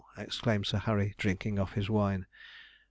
exclaimed Sir Harry, drinking off his wine.